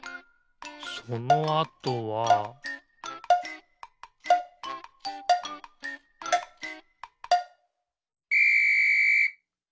そのあとはピッ！